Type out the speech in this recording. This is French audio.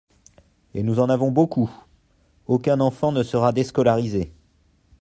Et nous en avons beaucoup ! Aucun enfant ne sera déscolarisé.